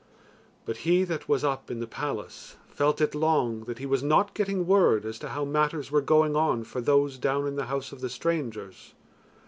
But he that was up in the palace felt it long that he was not getting word as to how matters were going on for those down in the house of the strangers.